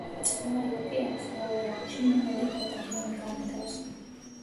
წყნარი ოკეანის მეორე ომში, მან ორი ბატალიონი განათავსა.